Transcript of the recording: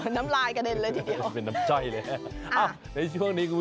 น้ำลาดกระเด็นเลยทีเดียว